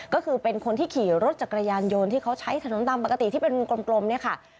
ก็คือเป็นคนที่ขี่รถจักรยานยนต์ที่เขาใช้ถนนตามปกติที่เป็นวงกลมเนี่ยค่ะ